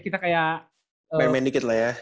kita kayak man made sedikit lah ya